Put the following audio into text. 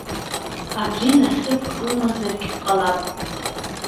Абри насыԥк лымазаргь ҟалап!